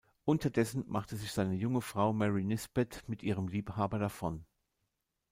Unterdessen machte sich seine junge Frau Mary Nisbet mit ihrem Liebhaber davon.